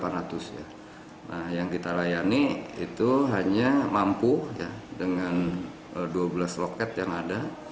nah yang kita layani itu hanya mampu dengan dua belas loket yang ada